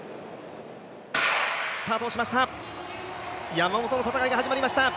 山本の戦いが始まりました。